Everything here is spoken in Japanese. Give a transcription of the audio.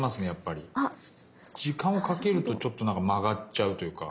時間をかけるとちょっとなんか曲がっちゃうというか。